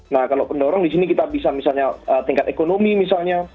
nah kalau pendorong di sini kita bisa misalnya tingkat ekonomi misalnya